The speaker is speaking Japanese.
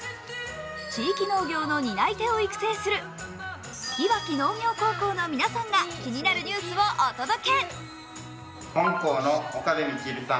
地域農業の担い手を育成する磐城農業高等学校の皆さんが気になるニュースをお届け。